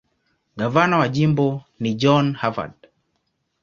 Gavana wa jimbo ni John Harvard.